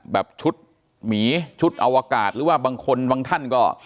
แบบชุดหมีชุดอวกาศหรือว่าบางคนบางท่านก็